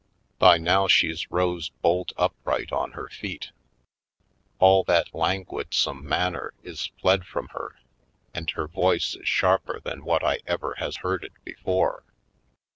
By now she's rose bolt upright on her feet. All that languidsome manner is fled from her, and her voice is sharper than what I ever has heard it before.